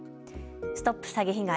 ＳＴＯＰ詐欺被害！